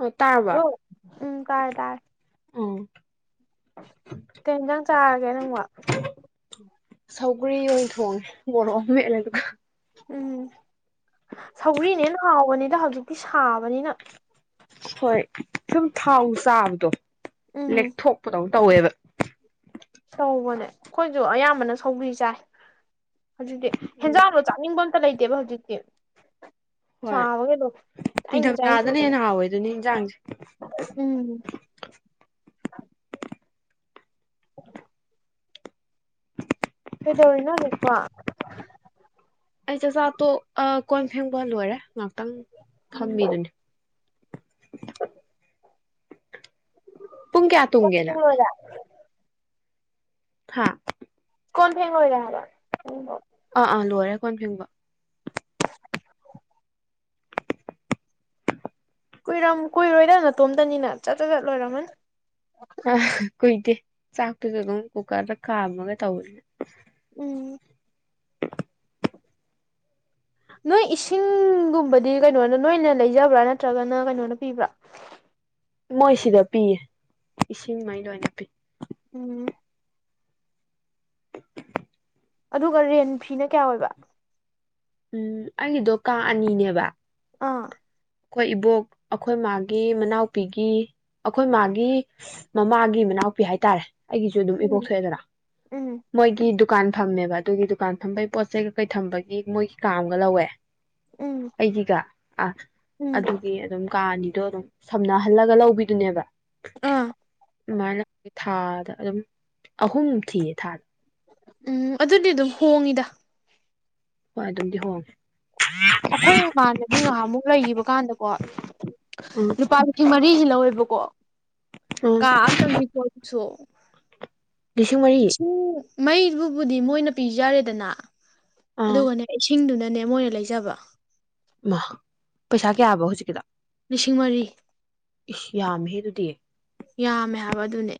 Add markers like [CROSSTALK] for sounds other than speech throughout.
ꯑꯣ ꯇꯥꯔꯕꯣ ꯍꯜꯂꯣ ꯎꯝ ꯇꯥꯔꯦ ꯇꯥꯔꯦ ꯎꯝ ꯀꯩ ꯍꯦꯟꯖꯥꯡ ꯆꯥꯔꯒꯦ ꯅꯪꯕꯣ ꯁꯧꯒ꯭ꯔꯤ ꯑꯣꯏꯅ ꯊꯣꯡꯉꯦ ꯃꯣꯔꯣꯛ ꯑꯝ ꯃꯦꯠꯂꯦ ꯑꯗꯨꯒ ꯎꯝ ꯁꯧꯒ꯭ꯔꯤꯅꯦꯅ ꯍꯥꯎꯕꯅꯤꯗ ꯍꯧ ꯍꯧꯖꯤꯛꯇꯤ ꯁꯥꯕꯅꯤꯅ ꯍꯣꯏ ꯁꯨꯝ ꯊꯥꯎ ꯆꯥꯕꯗꯣ ꯎꯝ ꯂꯦꯛ ꯊꯣꯛꯄ ꯗꯧ ꯇꯧꯋꯦꯕ ꯁꯧꯕꯅꯦ ꯑꯩꯈꯣꯏꯁꯨ ꯑꯌꯥꯝꯕꯅ ꯁꯧꯒ꯭ꯔꯤ ꯆꯥꯏ ꯍꯧꯖꯤꯛꯇꯤ ꯎꯝ ꯍꯦꯟꯖꯥꯡꯗꯣ ꯆꯥꯅꯤꯡꯕ ꯇ ꯂꯩꯇꯦꯕ ꯍꯧꯖꯤꯛꯇꯤ ꯍꯣꯏ ꯁꯥꯕꯒꯤꯗꯣ ꯆꯥꯅꯤꯡꯗꯦ ꯅꯤꯡꯊꯝ ꯊꯥꯗꯅ ꯆꯥꯅꯤꯡꯗꯦꯅ ꯍꯦꯟꯅ ꯍꯥꯎꯋꯦ ꯗꯨꯅꯤ ꯌꯦꯟꯁꯥꯡꯁꯦ ꯎꯝ [INAUDIBLE] [INAUDIBLE] ꯀꯣ ꯑꯩ ꯆꯥꯛꯆꯥꯥꯇꯣꯛ ꯑꯥ ꯀꯣꯟ ꯐꯦꯡꯕ ꯂꯣꯏꯔꯦ ꯉꯍꯥꯛꯇꯪ ꯐꯝꯃꯤꯗꯨꯅꯦ ꯄꯨꯡ ꯀꯌꯥ ꯐꯦꯡ ꯇꯨꯝꯒꯦꯅꯪ ꯂꯣꯏꯔꯦ ꯍꯥ ꯀꯣꯟ ꯐꯦꯡ ꯂꯣꯏꯔꯦ ꯍꯥꯏꯕ ꯑꯝ ꯑꯥ ꯑꯥ ꯂꯣꯏꯔꯦ ꯀꯣꯟ ꯐꯦꯡꯕ ꯀꯨꯏꯔꯝ ꯀꯨꯏꯔꯣꯏꯗ ꯅꯇꯣꯝꯇꯅꯤꯅ ꯆꯠ ꯆ ꯆꯠ ꯂꯣꯏꯔꯝꯃꯅꯤ ꯑ ꯀꯨꯏꯗꯦ ꯆꯥꯛꯇꯨꯖꯨ ꯑꯗꯨꯝ ꯀꯨꯀꯔꯗ ꯈꯥꯝꯃꯒ ꯇꯧꯋꯦ ꯎꯝ ꯅꯣꯏ ꯏꯁꯤꯡꯒꯨꯝꯕꯗꯤ ꯀꯩꯅꯣꯅ ꯅꯣꯏꯅ ꯂꯩꯖꯕ꯭ꯔꯥ ꯅꯠꯇ꯭ꯔꯒꯅ ꯀꯩꯅꯣꯅ ꯄꯤꯕ꯭ꯔꯥ ꯃꯣꯏ ꯁꯤꯗ ꯄꯤꯌꯦ ꯏꯁꯤꯡꯃꯩ ꯂꯣꯏꯅ ꯄꯤ ꯎꯝ ꯑꯗꯨꯒ ꯔꯦꯟ ꯐꯤꯅ ꯀꯌꯥ ꯑꯣꯏꯕ ꯎꯝ ꯑꯩꯒꯤꯗꯣ ꯀꯥ ꯑꯅꯤꯅꯦꯕ ꯑꯥ ꯑꯩꯈꯣꯏ ꯏꯕꯣꯛ ꯑꯩꯈꯣꯏ ꯃꯥꯒꯤ ꯃꯅꯥꯎꯄꯤꯒꯤ ꯑꯩꯈꯣꯏ ꯃꯥꯒꯤ ꯃꯃꯥꯒꯤ ꯃꯅꯥꯎꯄꯤ ꯍꯥꯏꯇꯥꯔꯦ ꯑꯩꯒꯤꯁꯨ ꯑꯗꯨꯝ ꯏꯕꯣꯛ ꯎꯝ ꯊꯣꯛꯑꯦꯗꯅ ꯎꯝ ꯃꯣꯏꯒꯤ ꯗꯨꯀꯥꯟ ꯐꯝꯃꯦꯕ ꯑꯗꯨꯒꯤ ꯗꯨꯀꯥꯟ ꯐꯝꯕꯒꯤ ꯄꯣꯠ ꯆꯩꯩ ꯀꯀꯩ ꯊꯝꯕꯒꯤ ꯃꯣꯏꯒꯤ ꯀꯥ ꯑꯝꯒ ꯂꯧꯋꯦ ꯎꯝ ꯑꯩꯒꯤ ꯒꯥ ꯑꯥ ꯎꯝ ꯑꯗꯨꯗꯤ ꯑꯗꯨꯝ ꯀꯥꯅꯤ ꯗꯣ ꯑꯗꯨꯝ ꯁꯝꯅꯍꯜꯂꯒ ꯂꯧꯕꯤꯗꯨꯅꯦꯕ ꯑꯥ ꯑꯗꯨꯃꯥꯏꯅ ꯊꯥꯗ ꯑꯗꯨꯝ ꯑꯍꯨꯝ ꯊꯤꯌꯦ ꯊꯥꯗ ꯎꯝ ꯑꯗꯨꯗꯤ ꯑꯗꯨꯝ ꯍꯣꯡꯉꯤꯗ ꯍꯣꯏ ꯑꯗꯨꯝꯗꯤ ꯍꯣꯡꯉꯦ ꯑꯩꯈꯣꯏ ꯏꯃꯥꯟꯅꯕꯤ ꯉꯥꯏꯍꯥꯛꯃꯨꯛ ꯂꯩꯒꯤꯕ ꯀꯥꯟꯗꯀꯣ ꯎꯝ ꯂꯨꯄꯥ ꯂꯤꯁꯤꯡ ꯃꯔꯤꯖꯦ ꯂꯧꯋꯦꯕ ꯀꯣ ꯎꯝ ꯀꯥ ꯑꯝꯇꯪꯅꯤꯀꯣ ꯑꯗꯨꯁꯨ ꯂꯤꯁꯤꯡ ꯃꯔꯤ ꯂꯤꯁꯤꯡ ꯃꯩꯕꯨꯕꯨꯗꯤ ꯃꯣꯏꯅ ꯄꯤꯖꯔꯦꯗꯅ ꯑꯥ ꯑꯗꯨꯒꯅꯦ ꯏꯁꯤꯡꯗꯨꯅ ꯅꯦ ꯃꯣꯏꯅ ꯂꯩꯖꯕ ꯃꯥ ꯄꯩꯁꯥ ꯀꯌꯥꯕ ꯍꯧꯖꯤꯛꯀꯤꯗ ꯂꯤꯁꯤꯡ ꯃꯔꯤ ꯏꯁ ꯌꯥꯝꯃꯦꯍꯦ ꯑꯗꯨꯗꯤ ꯌꯥꯝꯃꯦ ꯍꯥꯏꯕ ꯑꯗꯨꯅꯦ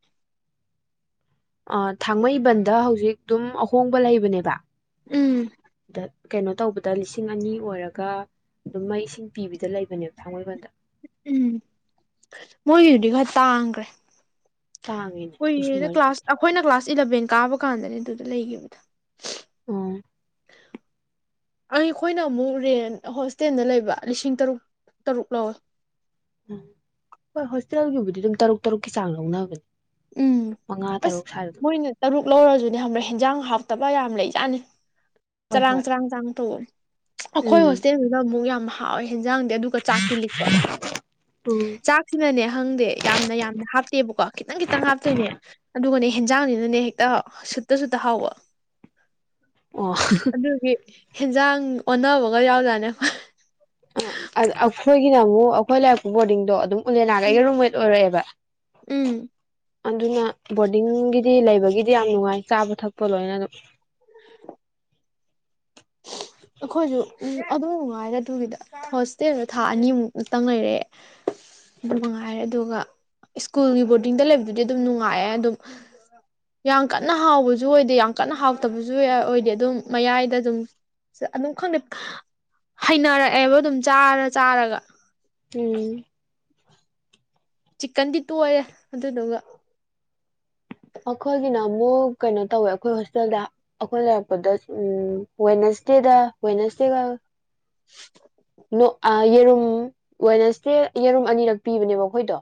ꯑ ꯊꯥꯡꯃꯩꯕꯟꯗ ꯍꯧꯖꯤꯛ ꯑꯗꯨꯝ ꯑꯍꯣꯡꯕ ꯂꯩꯕꯅꯦꯕ ꯎꯝ ꯇꯠ ꯀꯩꯅꯣ ꯇꯧꯕꯗ ꯂꯤꯁꯤꯡ ꯑꯅꯤ ꯑꯣꯏꯔꯒ ꯑꯗꯨꯝ ꯃꯩ ꯏꯁꯤꯡ ꯄꯤꯕꯤꯗ ꯂꯩꯕꯅꯦꯕ ꯊꯥꯡꯃꯩꯕꯟꯗ ꯎꯝ ꯃꯣꯏꯗꯨꯗꯤ ꯈꯔ ꯇꯥꯡꯒ꯭ꯔꯦ ꯇꯥꯡꯉꯤꯅꯦ ꯂꯤꯁꯤꯡ ꯀꯨꯏꯔꯦꯗ ꯃꯔꯤꯗꯨꯗꯤ ꯀ꯭ꯂꯥꯁ ꯑꯩꯈꯣꯏꯅ ꯀ꯭ꯂꯥꯁ ꯏꯂꯚꯦꯟ ꯀꯥꯕ ꯀꯥꯟꯗꯅꯦ ꯑꯗꯨꯗ ꯂꯩꯒꯤꯕꯗꯣ ꯑ ꯑꯩꯈꯣꯏꯅ ꯑꯃꯨꯛ ꯔꯦꯟ ꯍꯣꯁꯇꯦꯜꯗ ꯂꯩꯕ ꯂꯤꯁꯤꯡ ꯇꯔꯨꯛ ꯇꯔꯨꯛ ꯂꯧꯋꯦ ꯎꯝ ꯍꯣꯏ ꯍꯣꯁꯇꯦꯜꯒꯤꯕꯨꯗꯤ ꯑꯗꯨꯝ ꯇꯔꯨꯛ ꯇꯔꯨꯛꯀꯤ ꯆꯥꯡ ꯂꯧꯅꯕꯅꯦ ꯎꯝ ꯃꯉꯥ ꯑꯁ ꯇꯔꯨꯛ ꯁ꯭ꯋꯥꯏꯗ ꯑꯗꯨꯝ ꯃꯣꯏꯅ ꯇꯔꯨꯛ ꯂꯧꯔꯖꯨꯅꯦ ꯈꯪꯕ꯭ꯔꯥ ꯍꯦꯟꯖꯥꯡ ꯍꯥꯎ ꯇꯕꯛ ꯌꯥꯝ ꯂꯩꯖꯥꯠꯅꯤ ꯍꯣꯏ ꯆꯔꯥꯡ ꯍꯣꯏ ꯆꯔꯥꯡ ꯆꯥꯡ ꯇꯧ ꯑꯩꯈꯣꯏ ꯎꯝ ꯍꯣꯁꯇꯦꯜꯗꯨꯗ ꯑꯃꯨꯛ ꯌꯥꯝ ꯍꯥꯎꯋꯦ ꯍꯦꯟꯖꯥꯡꯗꯤ ꯑꯗꯨꯒ ꯆꯥꯛꯇꯤ ꯂꯤꯛꯄ ꯎꯝ ꯆꯥꯛꯁꯤꯅꯅꯦ ꯍꯪꯗꯦ ꯌꯥꯝꯅ ꯌꯥꯝꯅ ꯍꯥꯞꯇꯦꯕꯀꯣ ꯈꯤꯇꯪ ꯈꯤ ꯆꯠꯇꯣꯏꯅꯦ ꯑꯗꯨꯒꯅꯦ ꯍꯦꯟꯖꯥꯡꯅꯤꯅꯅꯦ ꯍꯦꯛꯇ ꯁꯨꯠꯇꯁꯨꯨꯠꯇ ꯍꯥꯎꯕ ꯑꯣ ꯑꯗꯨ ꯍꯦ ꯍꯦꯟꯖꯥꯡ ꯑꯣꯟꯅꯕꯒ ꯌꯥꯎꯖꯥꯅꯦ ꯑꯩꯅ ꯑꯃꯨꯛ ꯑꯩꯈꯣꯏ ꯂꯩꯔꯛꯄ ꯕꯣꯔꯗꯤꯡꯗꯣ ꯑꯗꯨꯝ ꯎꯂꯦꯅꯥꯒ ꯎꯝ ꯑꯩꯒ ꯔꯨꯝꯃꯦꯠ ꯑꯣꯏꯔꯛꯑꯦꯕ ꯎꯝ ꯑꯗꯨꯅ ꯕꯣꯔꯗꯤꯡꯒꯤꯗꯤ ꯂꯩꯕꯒꯤꯗꯤ ꯌꯥꯝ ꯅꯨꯡꯉꯥꯏ ꯆꯥꯕ ꯊꯛꯄ ꯂꯣꯏꯅ ꯑꯗꯨꯝ ꯑꯩꯈꯣꯏꯖꯨ ꯑꯗꯨꯝ ꯅꯨꯡꯉꯥꯏꯗ ꯑꯗꯨꯒꯤꯗ ꯍꯣꯁꯇꯦꯜꯗ ꯊꯥ ꯑꯅꯤꯃꯨꯛ ꯉꯛꯇꯪ ꯂꯩꯔꯛꯑꯦ ꯑꯗꯨ ꯃꯉꯥꯏꯔꯦ ꯑꯗꯨꯒ ꯁ꯭ꯀꯨꯜꯒꯤ ꯕꯣꯔꯗꯤꯡꯗ ꯂꯩꯕꯗꯨꯗꯤ ꯑꯗꯨꯝ ꯅꯨꯡꯉꯥꯏꯑꯦ ꯑꯗꯨꯝ ꯌꯥꯝ ꯀꯟꯅ ꯍꯥꯎꯕꯁꯨ ꯑꯣꯏꯗꯦ ꯌꯥꯝ ꯀꯟꯅ ꯍꯥꯎꯇꯕꯁꯨ ꯑꯣꯏꯗꯦ ꯑꯗꯨꯝ ꯃꯌꯥꯏꯗ ꯑꯗꯨꯝ ꯑꯗꯨꯝ ꯈꯪꯗꯦ ꯍꯩꯅꯔꯛꯑꯦꯕ ꯑꯗꯨꯝ ꯆꯥꯔ ꯆꯥꯔꯒ ꯎꯝ ꯆꯤꯛꯀꯟꯗꯤ ꯇꯣꯏꯑꯦ ꯑꯗꯨꯗꯨꯒ ꯑꯩꯈꯣꯏꯒꯤꯅ ꯑꯃꯨꯛ ꯀꯩꯅꯣ ꯇꯧꯋꯦ ꯑꯩꯈꯣꯏ ꯍꯣꯁꯇꯦꯜꯗ ꯑꯩꯈꯣꯏ ꯂꯩꯔꯛꯄꯗ ꯎ ꯋꯦꯅꯁꯗꯦꯗ ꯋꯦꯅꯁꯗꯦꯒ [INAUDIBLE] ꯅꯣ ꯑꯥ ꯌꯦꯔꯨꯝ ꯋꯦꯅꯦꯁꯗꯦ ꯌꯦꯔꯨꯝ ꯑꯅꯤꯔꯛ ꯄꯤꯕꯅꯦꯕ ꯑꯩꯈꯣꯏꯗꯣ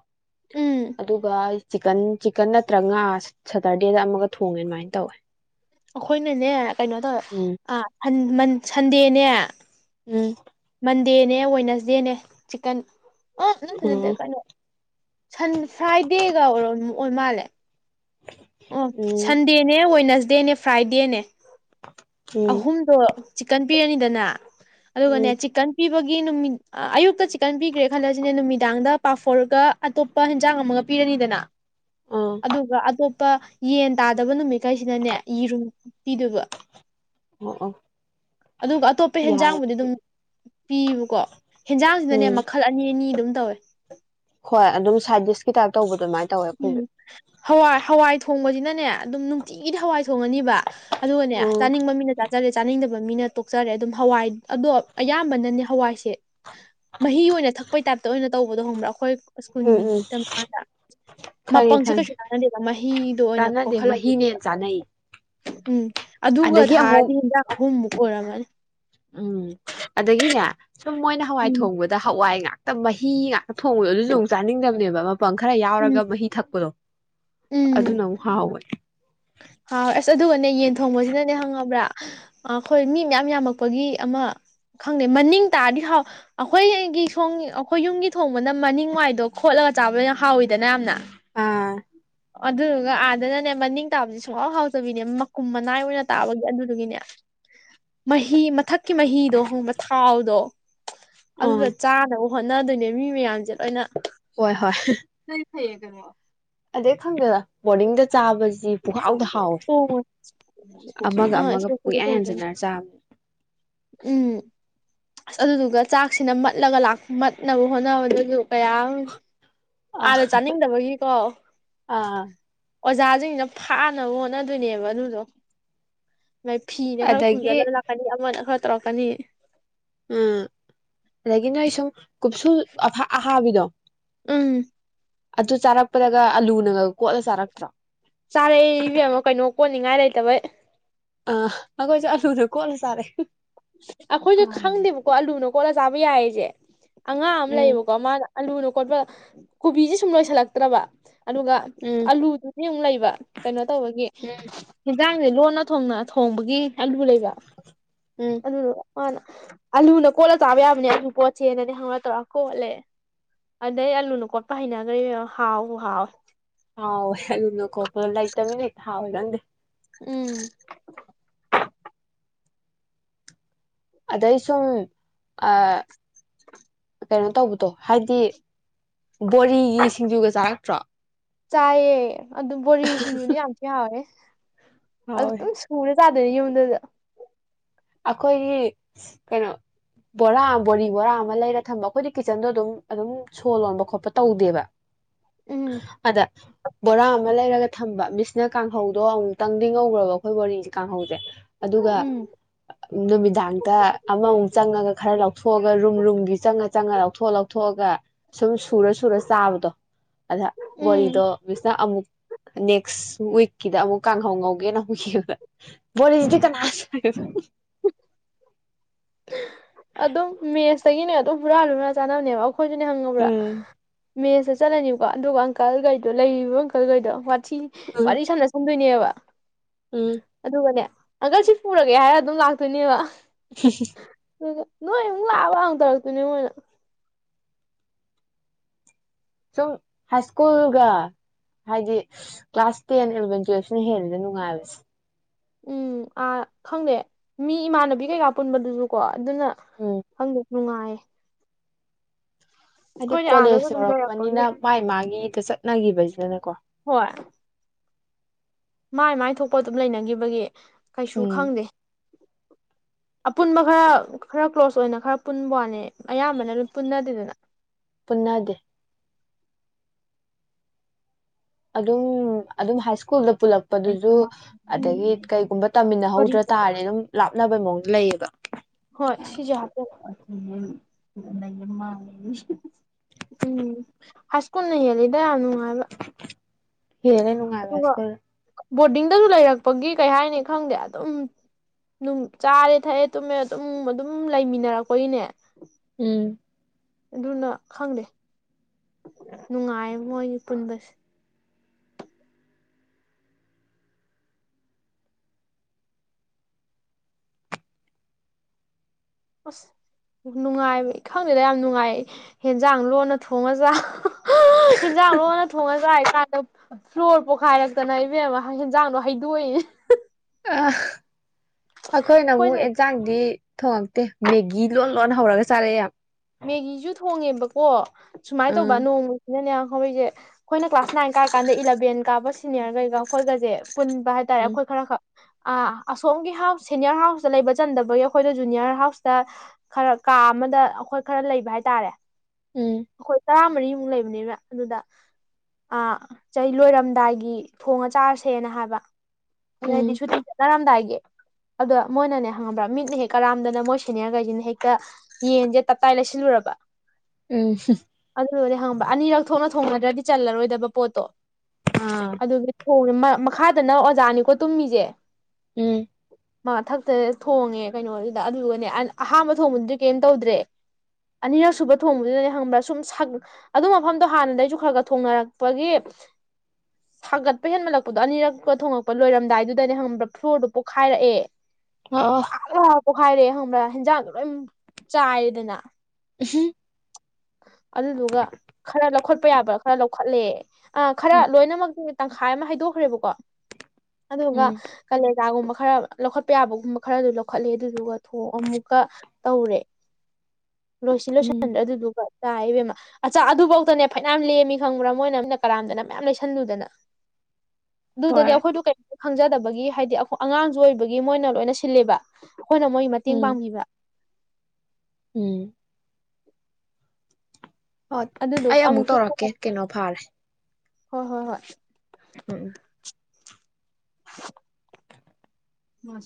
ꯎꯝ ꯑꯗꯨꯒ ꯆꯤꯛꯀꯟ ꯆꯤꯛꯀꯟ ꯅꯠꯇ꯭ꯔꯉꯥ ꯁꯇꯔꯗꯦꯗ ꯑꯃꯒ ꯊꯣꯡꯉꯦ ꯑꯗꯨꯃꯥꯏꯅ ꯇꯧꯋꯦ ꯑꯩꯈꯣꯏꯅꯅꯦ ꯀꯩꯅꯣ ꯇꯧꯋꯦ ꯎꯝ ꯑ ꯐꯟ ꯃꯟ ꯁꯟꯗꯦꯅꯦ ꯎꯝ ꯃꯟꯗꯦꯅꯦ ꯋꯦꯅꯁꯗꯦꯅꯦ ꯆꯤꯛꯀꯟ ꯑ ꯅꯠꯇꯦ ꯅꯠꯇꯦ ꯎꯝ ꯀꯩꯅꯣ ꯁꯟ ꯐ꯭ꯔꯥꯏꯗꯦꯒꯔ ꯑꯣꯏ ꯃꯥꯜꯂꯦ ꯑꯣ ꯎꯝ ꯁꯟꯗꯦꯅꯦ ꯋꯦꯠꯅꯁ ꯗꯦꯅꯦ ꯐ꯭ꯔꯥꯏꯗꯦꯅꯦ ꯎꯝ ꯑꯍꯨꯝꯗꯣ ꯆꯤꯛꯀꯟ ꯄꯤꯔꯅꯤꯗꯅ ꯑꯗꯨ ꯎꯝ ꯒꯅꯦ ꯆꯤꯛꯀꯟ ꯄꯤ ꯒꯤ ꯅꯨꯃꯤꯠ ꯑ-ꯑꯌꯨꯛꯇ ꯆꯤꯛꯀꯟ ꯄꯤꯈ꯭ꯔꯦ ꯈꯜꯂꯁꯤꯅꯦ ꯅꯨꯃꯤꯗꯥꯡꯗ ꯄꯥꯐꯣꯔꯒ ꯑꯇꯣꯞꯄ ꯍꯦꯟꯖꯥꯡ ꯑꯃꯒ ꯄꯤꯔꯅꯤꯗꯅ ꯑꯥ ꯑꯗꯨꯒ ꯑꯇꯣꯞ ꯄ ꯌꯦꯟ ꯇꯥꯗꯕ ꯅꯨꯃꯤꯠꯈꯩꯁꯤꯅꯅꯦ ꯌꯦꯔꯨꯝ ꯄꯤꯗꯣꯏꯕ ꯑꯣ ꯑꯣ ꯑꯗꯨꯒ ꯑꯇꯣꯞꯄ ꯌꯥꯏ ꯍꯦꯟꯖꯥꯡꯕꯨꯗꯤ ꯑꯗꯨꯗꯤ ꯑꯗꯨꯝ ꯄꯤꯕꯀꯣ ꯍꯦꯟꯖꯥꯡꯁꯤꯅꯅꯦ ꯎꯝ ꯃꯈꯜ ꯑꯅꯤ ꯑꯅꯤ ꯑꯗꯨꯝ ꯇꯧꯋꯦ ꯍꯣꯏ ꯑꯗꯨꯝ ꯁꯥꯗ ꯗꯤꯁꯀꯤ ꯇꯥꯏ ꯇꯧꯕ ꯎꯝ ꯍꯋꯥꯏ ꯍꯋꯥꯏ ꯊꯣꯡꯕꯁꯤꯅ ꯅꯦ ꯑꯗꯨꯝ ꯅꯨꯡꯇꯤꯒꯤꯗꯤ ꯍꯋꯥꯏ ꯊꯣꯡꯉꯅꯤꯕ ꯑꯗꯨꯒꯅꯦ ꯎꯝ ꯆꯥꯅꯤꯡꯕ ꯃꯤꯅ ꯆꯔꯦ ꯆꯥꯅꯤꯡꯗꯕ ꯃꯤꯅ ꯇꯣꯛꯆꯔꯦ ꯑꯗꯨꯝ ꯍꯋꯥꯏ ꯑꯗꯣ ꯑꯌꯥꯝꯕꯅꯅꯦ ꯍꯋꯥꯏꯁꯦ ꯃꯍꯤ ꯑꯣꯏꯅ ꯊꯛꯄꯩ ꯇꯥꯏꯞꯇ ꯑꯣꯏꯅ ꯇꯧꯕꯗꯣ ꯍꯣꯡꯕ꯭ꯔꯥ ꯑꯈꯣꯏ ꯎꯝ ꯁ꯭ꯀꯨꯟꯒꯤ ꯎꯝ ꯇꯝꯃꯤꯀꯥꯟꯗ ꯈꯪꯉꯦ ꯃꯄꯪꯁꯦ ꯈꯪꯉꯦ ꯀꯩꯁꯨ ꯀꯥꯟꯅꯗꯦꯗ ꯃꯍꯤꯗꯣ ꯑꯣꯏꯅ ꯆꯥꯟꯅꯗꯦ ꯀꯣꯛꯈꯠꯂꯗꯤ ꯃꯍꯤꯅ ꯍꯦꯟꯅ ꯆꯥꯅꯩ ꯎꯝ ꯑꯗꯨꯒ ꯑꯗꯒꯤ ꯑꯃꯨꯛ ꯊꯥꯔꯗꯤ ꯍꯦꯟꯖꯥꯡ ꯑꯍꯨꯝꯃꯨꯛ ꯄꯣꯔꯥ ꯔꯅꯤ ꯎꯝ ꯑꯗꯒꯤꯅꯦ ꯁꯨꯝ ꯃꯣꯏꯅ ꯍꯋꯥꯏ ꯎꯝ ꯊꯣꯡꯕꯗ ꯍꯋꯥꯏ ꯉꯥꯛ ꯇ ꯃꯍꯤ ꯉꯥꯛꯇ ꯊꯣꯡꯕꯗꯣ ꯑꯗꯨꯁꯨ ꯑꯃꯨꯛ ꯆꯥꯅꯤꯡꯗꯕꯅꯦꯕ ꯃ ꯄꯪ ꯈꯔ ꯎꯝ ꯌꯥꯎꯔꯒ ꯃꯍꯤ ꯊꯛꯄꯗꯣ ꯑꯗꯨꯅ ꯑꯃꯨꯛ ꯍꯥꯎꯋꯦ ꯍꯥꯎꯑꯦ ꯑꯁ ꯑꯗꯨꯒꯅꯦ ꯌꯦꯟ ꯊꯣꯡꯕꯁꯤꯅꯅꯦ ꯍꯪꯉꯕ꯭ꯔꯥ ꯑꯈꯣꯏ ꯃꯤ ꯃꯌꯥꯝ ꯌꯥꯝꯃꯛꯄꯒꯤ ꯑꯃ ꯈꯪꯗꯦ ꯃꯅꯤꯡ ꯇꯥꯔꯗꯤ ꯍꯥꯎ ꯑꯩꯈꯣꯏꯒꯤ ꯁꯣꯝꯒꯤ ꯑꯩꯈꯣꯏ ꯌꯨꯝꯒꯤ ꯊꯣꯡꯕꯅ ꯃꯅꯤꯡ ꯋꯥꯏꯗꯣ ꯈꯣꯠꯂꯒ ꯆꯥꯕꯗ ꯌꯥꯝ ꯍꯥꯎꯋꯤꯗꯅ ꯌꯥꯝꯅ ꯑ ꯑꯗꯨꯗꯨꯒ ꯑꯥꯗꯅꯅꯦ ꯃꯅꯤꯡ ꯇꯥꯕꯁꯤ ꯁꯨꯡꯍꯥꯎ ꯍꯥꯎꯖꯕꯤꯅꯦ ꯃꯀꯨꯝ ꯃꯅꯥꯏ ꯑꯣꯏꯅ ꯇꯥꯕꯒꯤ ꯑꯗꯨꯗꯨꯒꯤꯅꯦ ꯃꯍꯤ ꯃꯊꯛ ꯀꯤ ꯃꯍꯤꯗꯣ ꯍꯪꯕ ꯊꯥꯎꯗꯣ ꯎꯝ ꯑꯗꯨꯗ ꯆꯥꯅꯕ ꯍꯣꯠꯅꯗꯨꯏꯅꯦ ꯃꯤ ꯃꯌꯥꯝꯁꯦ ꯂꯣꯏꯅ ꯍꯣꯏ ꯍꯣꯏ ꯍꯌꯦꯡ ꯀꯩꯅꯣ ꯑꯗꯩ ꯈꯧꯏꯒ ꯕꯣꯔꯗꯤꯡꯗ ꯆꯥꯕꯁꯤ ꯁꯤ ꯄꯨꯡꯍꯥꯎꯗ ꯍꯥꯎꯋꯦ ꯊꯣꯡꯉ ꯑꯃꯒ ꯑꯥ ꯑꯃꯒ ꯏꯁꯄꯣꯔꯠꯁꯨꯗ ꯄꯨꯌꯥꯟ ꯇꯧꯗꯣꯏꯅꯦ ꯌꯥꯟꯁꯤꯟꯅꯔ ꯆꯥꯕ ꯎꯝ ꯑꯁ ꯑꯗꯨꯗꯨꯒ ꯆꯥꯛꯁꯤꯅ ꯃꯠꯂꯒ ꯂꯥꯛ ꯃꯠꯅꯕ ꯍꯣꯠꯅꯕꯗꯖꯨ ꯀꯌꯥꯝ ꯑ ꯑꯥꯗ ꯆꯥꯅꯤꯡꯗꯕꯒꯤꯀꯣ ꯑꯥ ꯑꯣꯖꯥꯖꯤꯡꯅ ꯊꯥꯅꯕ ꯍꯣꯠꯅꯗꯣꯏꯅꯦꯕ ꯑꯗꯨꯗꯣ ꯃꯥꯏ ꯐꯤꯅ ꯈꯔ ꯑꯗꯒꯤ ꯈꯨꯝꯖꯤꯜꯂꯒ ꯂꯥꯛꯀꯅꯤ ꯑꯃꯅ ꯑꯃ ꯇꯧꯔꯛꯀꯅꯤ ꯎꯝ ꯑꯗꯒꯤ ꯅꯣꯏ ꯁꯨꯝ ꯀꯨꯞꯁꯨ ꯑꯍꯥꯕꯤꯗꯣ ꯎꯝ ꯑꯗꯨ ꯆꯥꯔꯛꯄꯗꯒ ꯑꯂꯨꯅꯒ ꯀꯣꯠꯂ ꯆꯥꯔꯛꯇ꯭ꯔꯣ ꯆꯥꯔꯛꯑꯦ ꯏꯕꯦꯝꯃ ꯀꯩꯅꯣ ꯀꯣꯠꯅꯤꯡꯉꯥꯏ ꯂꯩꯇꯕꯩ ꯑꯥ ꯑꯈꯣꯏꯁꯨ ꯑꯂꯨꯗꯣ ꯀꯣꯠꯂ ꯆꯥꯔꯛꯑꯦ ꯑꯩꯈꯣꯏꯁꯨ ꯈꯪꯗꯦꯕꯀꯣ ꯑꯂꯨꯅ ꯀꯣꯠꯂ ꯆꯥꯕ ꯌꯥꯏꯌꯦꯁꯦ ꯑꯉꯥꯡ ꯑꯃ ꯎꯝ ꯂꯦꯌꯦꯕꯀꯣ ꯃꯥꯅ ꯑꯜꯂꯨꯅ ꯀꯣꯠꯄ ꯀꯣꯕꯤꯁꯦ ꯁꯨꯝ ꯂꯣꯏꯁꯤꯜꯂꯛꯇ꯭ꯔꯕ ꯑꯗꯨꯒ ꯎꯝ ꯑꯂꯨꯗꯨꯗꯤ ꯑꯃꯨꯛ ꯂꯩꯕ ꯀꯩꯅꯣ ꯇꯧꯕꯒꯤ ꯎꯝ ꯖꯥꯡꯁꯦ ꯂꯣꯟꯅ ꯊꯣꯡꯅ ꯊꯣꯡꯕꯒꯤ ꯑꯂꯨ ꯂꯩꯕ ꯎꯝ ꯑꯗꯨ ꯃꯅ ꯑꯥꯂꯨꯅ ꯀꯣꯠꯂ ꯆꯥꯕ ꯌꯥꯕꯅꯦ ꯑꯂꯨ ꯀꯣꯠꯁꯦꯅꯅꯦ ꯍꯪꯅ ꯇꯧꯔ ꯀꯣꯠꯂꯦ ꯑꯗꯩ ꯑꯂꯨꯅ ꯀꯣꯠꯄ ꯍꯩꯅꯒ꯭ꯔꯦ ꯏꯕꯦꯝꯃ ꯍꯥꯎꯕꯨ ꯍꯥꯎꯋꯦ ꯍꯥꯎꯏ ꯑꯂꯨꯅ ꯀꯣꯠꯄ ꯂꯩꯇꯝꯅꯤꯅ ꯍꯦꯛꯇ ꯍꯥꯎꯋꯦ ꯈꯪꯗꯦ ꯎꯝ [INAUDIBLE] ꯑꯗꯩ ꯁꯨꯝ ꯑꯥ ꯀꯩꯅꯣ ꯇꯧꯕꯗꯣ ꯍꯥꯏꯗꯤ ꯕꯣꯔꯤꯒꯤ ꯁꯤꯡꯖꯨꯒ ꯆꯥꯔꯛꯇ꯭ꯔꯣ ꯆꯥꯏꯌꯦ ꯑꯗꯨ ꯕꯣꯔꯤ ꯁꯤꯡꯖꯨꯗꯤ ꯌꯥꯝ ꯊꯤ ꯍꯥꯎꯋꯦꯍꯦ ꯍꯥꯎꯋꯦ ꯑꯗꯨꯝ ꯁꯨꯔꯦ ꯆꯥꯗ꯭ꯔꯦ ꯌꯨꯝꯗꯒ ꯑꯩꯈꯣꯏꯒꯤ ꯀꯩꯅꯣ ꯕꯣꯔꯥ ꯕꯣꯔꯤ ꯕꯣꯔꯥ ꯑꯃ ꯂꯩꯔ ꯊꯝꯕ ꯑꯩꯈꯣꯏꯗꯤ ꯀꯤꯠꯆꯟꯗꯣ ꯑꯗꯨꯝ ꯑꯗꯨꯝ ꯁꯣ ꯂꯣꯟꯕ ꯈꯣꯠꯄ ꯇꯧꯗꯦꯕ ꯎꯝ ꯑꯗ ꯕꯣꯔꯥ ꯑꯃ ꯂꯩꯔꯒ ꯊꯝꯕ ꯃꯤꯁꯅ ꯀꯥꯡꯍꯧꯗꯣ ꯑꯃꯨꯛꯇꯪꯗꯤ ꯉꯧꯒ꯭ꯔꯕ ꯑꯩꯈꯣꯏ ꯕꯣꯔꯤ ꯀꯥꯡꯍꯧ ꯑꯗꯨꯒ ꯎꯝ ꯅꯨꯃꯤꯗꯥꯡꯗ ꯑꯃꯃꯨꯛ ꯆꯪꯉꯒ ꯈꯔ ꯂꯧꯊꯣꯛꯑꯒ ꯔꯨꯝ ꯔꯨꯝꯒꯤ ꯆꯪꯉ ꯆꯪꯉ ꯂꯧꯊꯣꯛ ꯂꯧꯊꯣꯛꯑꯒ ꯁꯨꯝ ꯁꯨꯔꯥ ꯁꯨꯔꯥ ꯆꯥꯕꯗꯣ ꯑꯗ ꯎꯝ ꯕꯣꯔꯤꯗꯣ ꯃꯤꯁꯅ ꯑꯃꯨꯛ ꯅꯦꯛꯁ ꯋꯤꯛꯀꯤꯗ ꯑꯃꯨꯛ ꯀꯥꯡꯍꯧ ꯉꯧꯒꯦꯅ ꯌꯦꯡꯕ ꯕꯣꯔꯤꯁꯤꯗꯤ ꯀꯅꯥ ꯑꯗꯨꯝ ꯃꯦꯁꯇꯒꯤꯅꯦ ꯑꯗꯨꯝ ꯍꯨꯔꯥꯟ ꯍꯨꯔꯥꯟ ꯆꯥꯅꯕꯅꯦꯕ ꯑꯧ ꯑꯩꯈꯣꯏꯁꯨꯅꯦ ꯍꯪꯉꯕ꯭ꯔꯥ ꯎꯝ ꯃꯦꯁ ꯆꯠꯂꯅꯤꯀꯣ ꯑꯗꯨꯒ ꯑꯪꯀꯜꯈꯩꯗꯣ ꯂꯩꯔꯤꯕ ꯑꯪꯀꯜꯈꯩꯗꯣ ꯊꯤ ꯎꯝ ꯋꯥꯔꯤ ꯁꯥꯟꯅ ꯁꯨꯝ ꯗꯨꯏꯅꯦꯕ ꯎꯝ ꯑꯗꯨꯒꯅꯦ ꯑꯪꯀꯜ ꯁꯤ ꯄꯨꯔꯒꯦ ꯍꯥꯏꯔ ꯑꯗꯨꯝ ꯂꯥꯛ ꯀꯅꯤꯕ ꯍꯤ ꯍꯤ ꯅꯣꯏ ꯑꯃꯨꯛ ꯂꯥꯛꯑꯕ ꯇꯧꯔꯛꯇꯣꯏꯅꯦ ꯃꯣꯏꯅ ꯁꯨꯝ ꯍꯥꯏꯁ꯭ꯀꯨꯜꯒ ꯍꯥꯏꯗꯤ ꯀ꯭ꯂꯥꯁ ꯇꯦꯟ ꯑꯦꯂꯚꯦꯟ ꯇꯨꯋꯦꯜꯞꯁꯤꯅ ꯍꯦꯜꯂꯤꯗ ꯅꯨꯡꯉꯥꯏꯕꯁꯦ ꯎꯝ ꯑꯥ ꯈꯪꯗꯦ ꯃꯤ ꯏꯃꯥꯟꯅꯕꯤ ꯀꯩꯀꯥ ꯄꯨꯟꯕꯗꯨꯁꯨ ꯀꯣ ꯑꯗꯨꯅ ꯎꯝ ꯈꯪꯗꯦ ꯅꯨꯡꯉꯥꯏ ꯍꯥꯏꯗꯤ ꯀꯣꯂꯦꯖ ꯑꯗꯨꯝ ꯌꯧꯔꯛꯄꯅꯤꯅ ꯂꯩꯔꯛꯄꯒꯤ ꯃꯥꯥꯏ ꯃꯥꯒꯤ ꯆꯠꯅꯈꯤꯕꯁꯤꯗꯅꯦꯀꯣ ꯍꯣꯏ ꯃꯥꯏ ꯃꯥꯏ ꯊꯣꯛꯄ ꯑꯗꯨꯝ ꯂꯩꯅꯒꯤꯕꯒꯤ ꯀꯩꯁꯨ ꯎꯝ ꯈꯪꯗꯦ ꯑꯄꯨꯟꯕ ꯈꯔ ꯈꯔ ꯀ꯭ꯂꯣꯁ ꯆꯣꯏꯅ ꯈꯔ ꯄꯨꯟꯕ ꯋꯥꯅꯦ ꯑꯌꯥꯝꯕꯅ ꯄꯨꯟꯅꯗꯦꯗꯅ ꯄꯨꯟꯅꯗꯦ ꯑꯗꯨꯝ ꯑꯗꯨꯝ ꯍꯥꯏ ꯁ꯭ꯀꯨꯜꯗ ꯄꯨꯜꯂꯛꯄꯗꯨꯁꯨ ꯑꯗꯒꯤ ꯎꯝ ꯀꯩꯒꯨꯝꯕ ꯀꯔꯤ ꯇꯝꯃꯤꯟꯅꯍꯧꯗ꯭ꯔ ꯇꯥꯔꯗ ꯑꯗꯨꯝ ꯂꯥꯞ ꯈꯅꯕꯩ ꯃꯑꯣꯡꯗ ꯂꯩꯌꯦꯕ ꯍꯣꯏ ꯁꯤꯁꯦ ꯍꯥꯞꯆꯤꯟ [UNINTELLIGIBLE] ꯎꯝ ꯍꯥꯏ ꯁ꯭ꯀꯨꯜꯅ ꯍꯦꯜꯂꯤꯗ ꯅꯨ [INAUDIBLE] ꯍꯦꯜꯂꯦ ꯅꯨꯡꯉꯥꯏꯕ ꯍꯥꯏ ꯑꯗꯨꯒ ꯁ꯭ꯀꯨꯜꯅ ꯕꯣꯔꯗꯤꯡꯗꯁꯨ ꯂꯩꯔꯛꯄꯒꯤ ꯀꯩ ꯍꯥꯏꯅꯤ ꯈꯪꯗꯦ ꯑꯗꯨꯝ ꯆꯥꯔꯦ ꯊꯛꯑꯦ ꯇꯨꯝꯃꯦ ꯑꯗꯨꯝ ꯑꯗꯨꯝ ꯂꯩꯃꯤꯟꯅꯔꯛꯄꯒꯤꯅꯦ ꯎꯝ ꯑꯗꯨꯅ ꯈꯪꯗꯦ ꯅꯨꯡꯉꯥꯏ ꯃꯣꯏ ꯄꯨꯟꯕꯁꯦ ꯑꯁ ꯅꯨꯡꯉꯥꯏꯕ ꯈꯪꯗꯦꯗ ꯌꯥꯝ ꯅꯨꯡꯉꯥꯏ ꯍꯦꯟꯖꯥꯡ ꯂꯣꯟꯅ ꯊꯣꯡꯉꯥ ꯆꯥꯕ ꯍꯦꯟꯖꯥꯡ ꯂꯣꯟꯅ ꯊꯣꯡꯉ ꯆꯥꯏ ꯀꯥꯟꯗ ꯐ꯭ꯂꯣꯔ ꯄꯣꯛꯈꯥꯏꯔꯛꯇꯅ ꯏꯕꯦꯝꯃ ꯍꯦꯟꯖꯥꯡꯗꯣ ꯍꯩꯗꯣꯛꯏꯅꯤ ꯑꯥ ꯑꯩꯈꯣꯏꯅ ꯑꯩꯈꯣꯏꯁꯦ ꯑꯃꯨꯛ ꯑꯦꯟꯁꯥꯡꯗꯤ ꯊꯣꯡꯉꯛꯇꯦ ꯃꯦꯒꯤ ꯂꯣꯟ ꯂꯣꯟꯅ ꯍꯧꯔꯒ ꯆꯥꯔꯛꯑ ꯌꯥꯝ ꯃꯦꯒꯤꯁꯨ ꯊꯣꯡꯉꯦꯕ ꯀꯣ ꯁꯨꯃꯥꯏ ꯇꯧꯕ ꯎꯝ ꯅꯣꯡꯃꯖꯤꯅꯅꯦ ꯍꯧꯏꯁꯦ ꯑꯩꯈꯣꯏꯅ ꯀ꯭ꯂꯥꯁ ꯅꯥꯏꯟ ꯀꯥꯏꯀꯥꯟꯗ ꯏꯂꯕꯦꯟ ꯀꯥꯕ ꯁꯤꯅꯤꯌꯔ ꯒꯩꯒ ꯑꯩꯈꯣꯏꯒꯁꯦ ꯄꯨꯟꯕ ꯍꯥꯏꯇꯥꯔꯦ ꯎꯝ ꯑꯩꯈꯣꯏ ꯈꯔ ꯈꯛ ꯑꯥ ꯑꯁꯣꯝꯒꯤ ꯍꯥꯎꯁ ꯁꯦꯅꯤꯌꯔ ꯍꯥꯎꯁꯇ ꯂꯩꯕ ꯆꯟꯗꯕꯒꯤ ꯑꯩꯈꯣꯏꯗ ꯖꯨꯅꯤꯌꯔ ꯍꯥꯎꯁꯇ ꯈꯔ ꯀꯥ ꯑꯃꯗ ꯑꯩꯈꯣꯏ ꯈꯔ ꯂꯩꯕ ꯍꯥꯏꯇꯥꯔꯦ ꯎꯝ ꯑꯩꯈꯣꯏ ꯇꯥ ꯆꯥ ꯃꯔꯤꯃꯨꯛ ꯂꯩꯕꯅꯤꯕ ꯑꯗꯨꯗ ꯑꯥ ꯆꯩ ꯂꯣꯏꯔꯝꯗꯥꯏꯒꯤ ꯊꯣꯡꯉ ꯆꯥꯔꯁꯦꯅ ꯍꯥꯏꯕ ꯎꯝ ꯁꯨꯇꯤ ꯆꯠꯅꯔꯝꯗꯥꯏꯒꯤ ꯑꯗꯣ ꯃꯣꯏꯅꯅꯦ ꯍꯪꯉꯕ꯭ꯔꯥ ꯃꯤꯠꯅ ꯍꯦꯛ ꯀꯔꯥꯝꯗꯅ ꯃꯣꯏ ꯁꯦꯅꯤꯌꯥꯔꯈꯩꯁꯤꯅ ꯍꯦꯛꯇ ꯌꯦꯡꯁꯦ ꯇꯞꯇꯥꯏ ꯂꯩꯁꯤꯜꯂꯨꯔꯕ ꯎꯝ ꯑꯗꯨꯗꯨꯒꯅꯦ ꯈꯪꯕꯔ ꯑꯅꯤꯔꯛ ꯊꯣꯛꯅ ꯊꯣꯡꯅꯗ꯭ꯔꯗꯤ ꯆꯜꯂꯔꯣꯏꯗꯕ ꯄꯣꯠꯇꯣ ꯑꯥ ꯑꯗꯨꯒꯤ ꯍꯣꯡ ꯃꯈꯥꯗꯅ ꯑꯣꯖꯥꯅꯤꯀꯣ ꯇꯨꯝꯃꯤꯁꯦ ꯎꯝ ꯃ ꯃꯊꯛꯇ ꯊꯣꯡꯉꯦ ꯀꯩꯅꯣꯗꯨꯗ ꯑꯗꯨꯗꯨꯒꯅꯦ ꯑꯍꯥꯟꯕ ꯊꯣꯡꯕꯗꯨꯗꯤ ꯀꯩꯝ ꯇꯧꯗ꯭ꯔꯦ ꯑꯅꯤꯔꯛ ꯁꯨꯕ ꯊꯣꯡꯕꯗꯨꯗꯅꯦ ꯈꯪꯕ꯭ꯔꯥ ꯁꯨꯝ ꯑꯗꯨ ꯃꯐꯝꯗꯣ ꯍꯥꯟꯅꯗꯒꯤꯁꯨ ꯈꯔ ꯈꯔ ꯊꯣꯡꯅꯔꯛꯄꯒꯤ ꯁꯥꯒꯠꯄ ꯍꯦꯟꯃꯠꯂꯛꯄꯗꯣ ꯑꯅꯤꯔꯛꯀ ꯊꯣꯡꯉꯛꯄ ꯂꯣꯏꯔꯝꯗꯥꯏꯗꯨꯗꯅꯦ ꯈꯪꯕ꯭ꯔꯥ ꯐ꯭ꯂꯣꯔꯗꯣ ꯄꯣꯛꯈꯥꯏꯔꯛꯑꯦ ꯑ ꯄꯣꯛꯈꯥꯏꯔꯛꯑꯦ ꯈꯪꯕ꯭ꯔꯥ ꯍꯦꯟꯖꯥꯡꯗꯣ ꯂꯣꯏ ꯆꯥꯏꯔ ꯑꯗꯨꯅ ꯎꯍꯨꯝ ꯑꯗꯨꯗꯨꯒ ꯈꯔ ꯂꯧꯈꯠꯄ ꯌꯥꯕ ꯈꯔ ꯂꯧꯈꯠꯂꯦ ꯑ ꯈꯔ ꯎꯝ ꯂꯣꯏꯅꯃꯛꯇꯤ ꯇꯪꯈꯥꯏ ꯑꯃ ꯍꯥꯏꯗꯣꯛꯈ꯭ꯔꯦꯕꯀꯣ ꯑꯗꯨꯒ ꯎꯝ ꯀꯂꯦꯖꯒꯨꯝꯕ ꯈꯔ ꯂꯧꯈꯠꯄ ꯌꯥꯕꯒꯨꯝꯕ ꯈꯔꯗꯨ ꯂꯧꯈꯠꯂꯦ ꯑꯗꯨꯗꯨꯒ ꯊꯣꯡ ꯑꯃꯨꯛꯀ ꯇꯧꯔꯦ ꯂꯣꯏꯁꯤ ꯂꯣꯏꯁꯤꯟ꯭ꯔꯦ ꯎꯝ ꯑꯗꯨꯗꯨ ꯇꯥ ꯏꯕꯦꯝꯃ ꯑꯆꯥ ꯑꯗꯨꯐꯧꯗꯅꯦ ꯐꯅꯌꯥꯝ ꯂꯦꯝꯃꯤ ꯈꯪꯕ꯭ꯔꯥ ꯃꯣꯏꯅ ꯃꯤꯠꯅ ꯀꯔꯥꯝꯗꯅ ꯃꯌꯥꯝ ꯂꯩꯁꯜꯂꯨꯗꯅ ꯑꯗꯨꯗꯅꯦ ꯍꯣꯏ ꯑꯩꯈꯣꯏꯗꯣ ꯀꯩꯃ ꯈꯪꯖꯗꯕꯒꯤ ꯍꯥꯏꯗꯤ ꯑꯉꯥꯡꯁꯨ ꯑꯣꯏꯕꯒꯤ ꯃꯣꯏꯅ ꯂꯣꯏꯅ ꯁꯤꯜꯂꯦꯕ ꯑꯩꯈꯣꯏꯅ ꯃꯣꯏ ꯃꯇꯦꯡ ꯎꯝ ꯄꯥꯡꯕꯤꯕ ꯎꯝ ꯍꯣꯏ ꯑꯗꯨꯗꯨꯒ ꯑꯩ ꯑꯃꯨꯛ ꯑꯃꯨꯛꯁꯨ ꯇꯧꯔꯛꯀꯦ ꯀꯩꯅꯣ ꯐꯥꯔꯦ ꯍꯣꯏ ꯍꯣꯏ ꯍꯣꯏ ꯎꯝ ꯎꯝ